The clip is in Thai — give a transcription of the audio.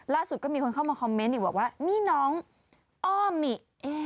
ก็มีคนเข้ามาคอมเมนต์อีกบอกว่านี่น้องอ้อมิ